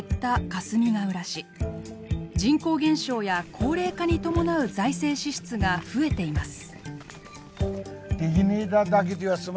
人口減少や高齢化に伴う財政支出が増えています。